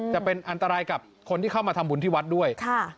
จะเป็นอันตรายกับคนที่เข้ามาทำบุญที่วัดด้วย